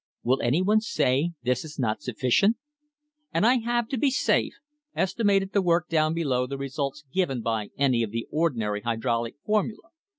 Will anyone say this is not sufficient ? And I have, to be safe, estimated the work down below the results given by any of the ordinary hydraulic formula.